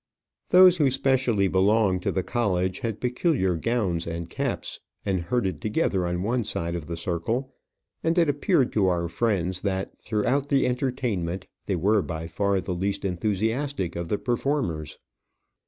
Those who specially belonged to the college had peculiar gowns and caps, and herded together on one side of the circle; and it appeared to our friends, that throughout the entertainment they were by far the least enthusiastic of the performers.